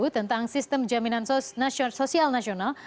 tentang sistem jaminan sosial nasional